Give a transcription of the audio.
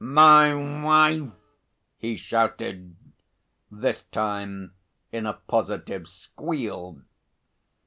"My wife?" he shouted, this time in a positive squeal.